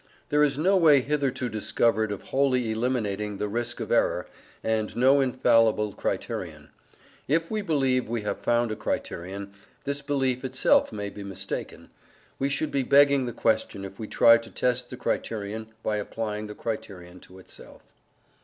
There is no way hitherto discovered of wholly eliminating the risk of error, and no infallible criterion. If we believe we have found a criterion, this belief itself may be mistaken; we should be begging the question if we tried to test the criterion by applying the criterion to itself.